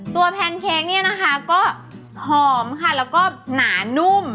แพนเค้กเนี่ยนะคะก็หอมค่ะแล้วก็หนานุ่ม